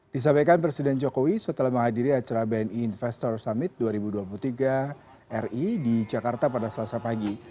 disampaikan presiden jokowi setelah menghadiri acara bni investor summit dua ribu dua puluh tiga ri di jakarta pada selasa pagi